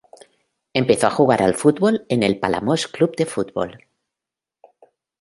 Empezó a jugar al fútbol en el Palamós Club de Fútbol.